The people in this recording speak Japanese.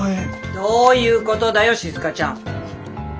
どういうことだよ静ちゃん。